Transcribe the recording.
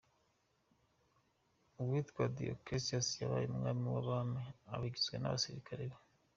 Uwitwa Diocletian yabaye umwami wabami abigizwe nabasirikare be.